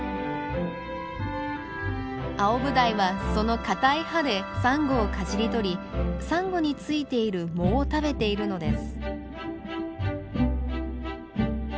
アオブダイはその硬い歯でサンゴをかじり取りサンゴに付いている藻を食べているのです。